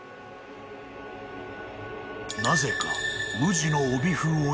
［なぜか］